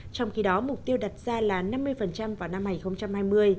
trong khi đó mục tiêu đặt ra là năm mươi vào năm hai nghìn hai mươi